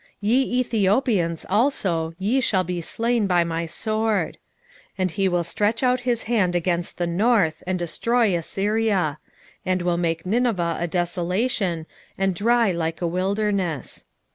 2:12 Ye Ethiopians also, ye shall be slain by my sword. 2:13 And he will stretch out his hand against the north, and destroy Assyria; and will make Nineveh a desolation, and dry like a wilderness.